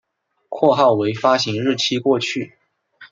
括号为发行日期过去